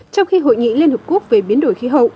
trong khi hội nghị liên hợp quốc về biến đổi khí hậu